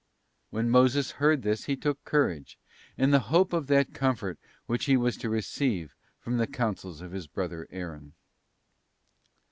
'* When Moses heard this he took courage, in the hope of that comfort which he was to receive from the counsels of his brother Aaron.